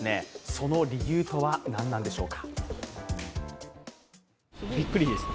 その理由とは何なんでしょうか？